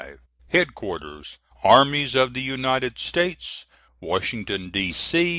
HEADQUARTERS ARMIES OF THE UNITED STATES, WASHINGTON, D. C.